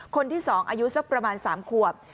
คนที่๒อายุสักประมาณ๓ขวบ